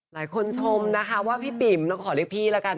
หลายคนชมนะคะว่าพี่ปิ๋มขอเรียกพี่ละกัน